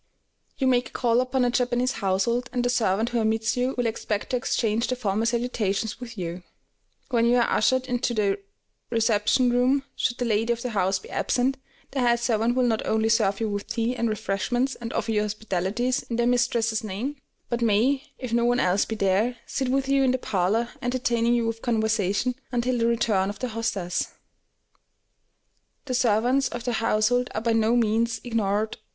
You make a call upon a Japanese household, and the servant who admits you will expect to exchange the formal salutations with you. When you are ushered into the reception room, should the lady of the house be absent, the head servants will not only serve you with tea and refreshments and offer you hospitalities in their mistress's name, but may, if no one else be there, sit with you in the parlor, entertaining you with conversation until the return of the hostess.